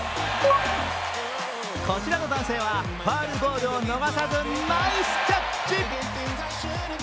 こちらの男性はファウルボールを逃さずナイスキャッチ。